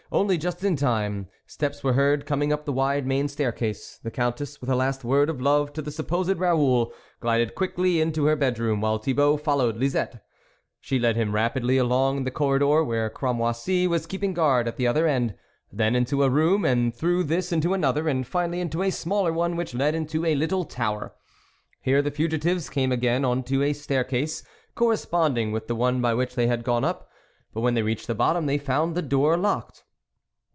Only just in time ! steps were heard coming up the wide main staircase. The Countess, with a last word of love to the supposed Raoul, glided quickly in to her bedroom, while Thibault followed Lisette: She led him rapidly along the corridor, where Cramoisi was keeping guard at the other end ; then into a room, and through this into another, and finally into a smaller one which led into a little tower ; here, the fugitives came again on to a staircase corresponding with the one by which they had gone up, but wheu THE WOLF LEADER they reached the bottom they found the door locked.